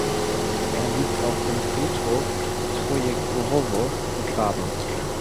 Er liegt auf dem Friedhof Trojekurowo begraben.